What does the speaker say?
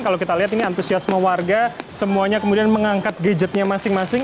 kalau kita lihat ini antusiasme warga semuanya kemudian mengangkat gadgetnya masing masing